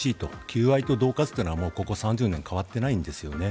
求愛とどう喝というのはここ３０年変わっていないんですね。